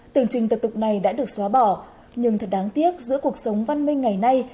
tưởng trình tập tục này đã được xóa bỏ nhưng thật đáng tiếc giữa cuộc sống văn minh ngày nay